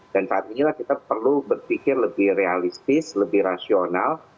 dan saat inilah kita perlu berpikir lebih realistis lebih rasional